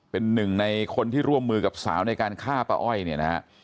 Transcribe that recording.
เป็นหนึ่งในคนที่ร่วมมือกับสาวในการฆ่าป้าอ้อยเนี่ยนะฮะ